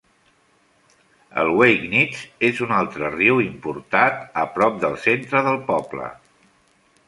El Wakenitz és un altre riu importat a prop del centre del poble.